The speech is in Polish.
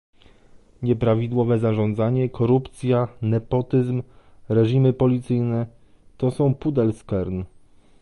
Nieprawidłowe zarządzanie, korupcja, nepotyzm, reżimy policyjne - to są Pudelskern